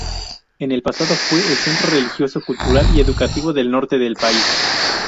En el pasado fue el centro religioso, cultural y educativo, del norte del país.